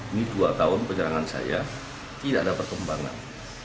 ini dua tahun penyerangan saya tidak ada perkembangan